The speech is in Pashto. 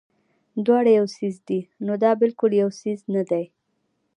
دواړه يو څيز دے نو دا بالکل يو څيز نۀ دے